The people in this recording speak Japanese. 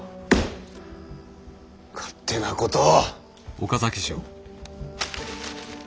勝手なことを！